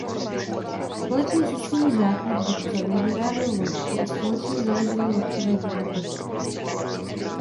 Společně se svými žáky v Duchcově vyráběl loutky a společně založili loutkové divadlo.